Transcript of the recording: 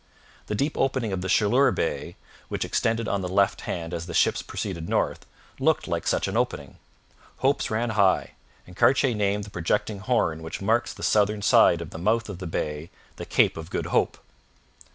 The deep opening of the Chaleur Bay, which extended on the left hand as the ships proceeded north, looked like such an opening. Hopes ran high, and Cartier named the projecting horn which marks the southern side of the mouth of the bay the Cape of Good Hope.